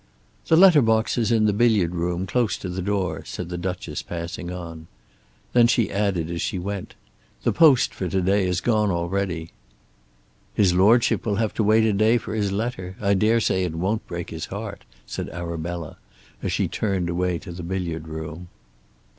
"The letter box is in the billiard room, close to the door," said the Duchess passing on. Then she added as she went, "The post for to day has gone already." "His Lordship will have to wait a day for his letter. I dare say it won't break his heart," said Arabella, as she turned away to the billiard room.